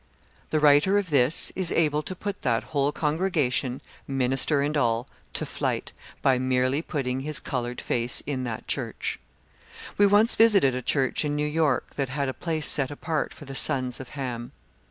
The writer of this is able to put that whole congregation, minister and all, to flight, by merely putting his coloured face in that church. We once visited a church in New York that had a place set apart for the sons of Ham.